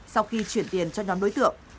sau khi chuyển tiền cho nhóm đối tượng